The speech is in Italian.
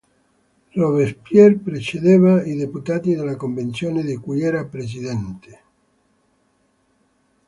Robespierre precedeva i deputati della Convenzione di cui era presidente.